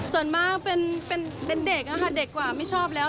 ส่วนมากเป็นเด็กค่ะเด็กกว่าไม่ชอบแล้ว